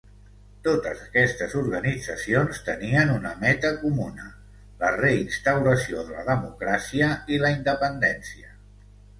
Totes aquestes organitzacions tenien una meta comuna: la re-instauració de la democràcia i la independència.